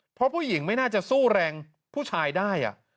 เพราะผู้หญิงไม่น่าจะสู้แรงผู้ชายได้